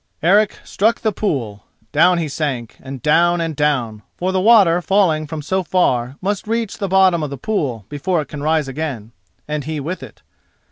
Eric struck the pool. Down he sank, and down and down—for the water falling from so far must almost reach the bottom of the pool before it can rise again—and he with it.